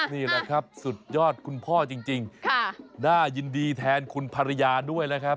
นี่แหละครับสุดยอดคุณพ่อจริงน่ายินดีแทนคุณภรรยาด้วยนะครับ